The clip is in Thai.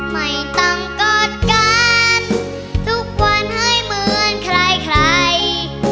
ไม่ต้องกอดกันทุกวันให้เหมือนใครใคร